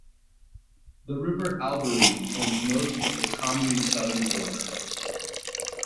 The river Albarine forms most of the commune's southern border.